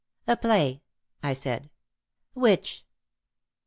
"A play," I said. "Which